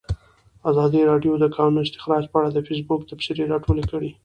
ازادي راډیو د د کانونو استخراج په اړه د فیسبوک تبصرې راټولې کړي.